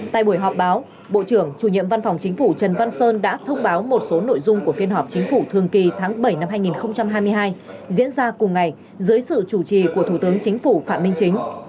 tại buổi họp báo bộ trưởng chủ nhiệm văn phòng chính phủ trần văn sơn đã thông báo một số nội dung của phiên họp chính phủ thường kỳ tháng bảy năm hai nghìn hai mươi hai diễn ra cùng ngày dưới sự chủ trì của thủ tướng chính phủ phạm minh chính